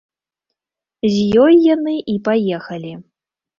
З ёй яны і паехалі.